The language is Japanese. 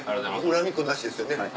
恨みっこなしですよね。